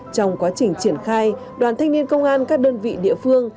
trong quá trình triển khai đoàn thanh niên công an các đơn vị địa phương